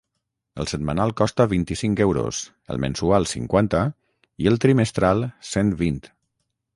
El setmanal costa vint-i-cinc euros, el mensual cinquanta i el trimestral cent vint.